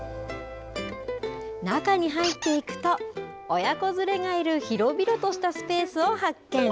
中に入っていくと親子連れがいる広々としたスペースを発見。